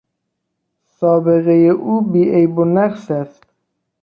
سابقهی او بیعیب و نقص است.